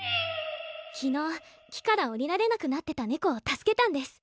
昨日木から下りられなくなってたねこを助けたんです。